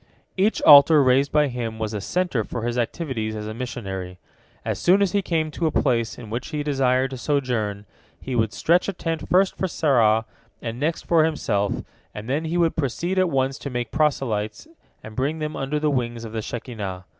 Each altar raised by him was a centre for his activities as a missionary. As soon as he came to a place in which he desired to sojourn, he would stretch a tent first for Sarah, and next for himself, and then he would proceed at once to make proselytes and bring them under the wings of the Shekinah.